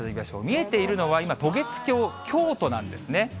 見えているのは今、渡月橋、京都なんですね。